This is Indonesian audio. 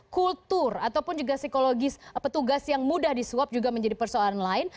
kultur ataupun juga psikologis petugas yang mudah disuap juga menjadi persoalan lain